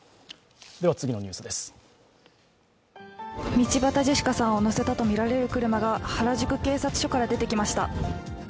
道端ジェシカさんを乗せたとみられる車が原宿警察署から出てきました。